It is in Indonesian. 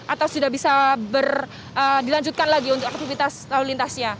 atau sudah bisa dilanjutkan lagi untuk aktivitas lalu lintasnya